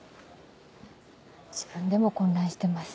自分でも混乱してます。